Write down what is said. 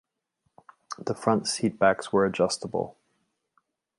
The front seatbacks were adjustable.